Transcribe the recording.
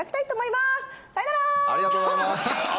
ありがとうございます。